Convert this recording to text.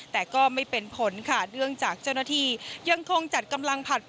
แต่ก็ไม่เป็นผลค่ะเพราะจากเจ้าหน้าทียังคงจัดกำลังผลัดเปลี่ยน